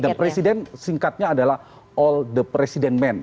dan presiden singkatnya adalah all the president men